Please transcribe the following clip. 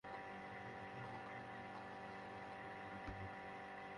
শুধু রাস্তার দুর্ভোগ বাড়ানো নয়, বিদ্যুতের ওপরও প্রভাব ফেলছে এসব অবৈধ অটোরিকশা।